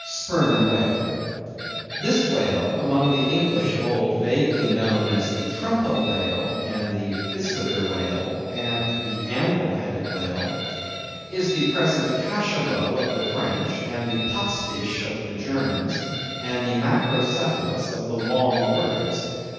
(Sperm Whale).—This whale, among the English of old vaguely known as the Trumpa whale, and the Physeter whale, and the Anvil Headed whale, is the present Cachalot of the French, and the Pottsfich of the Germans, and the Macrocephalus of the Long Words.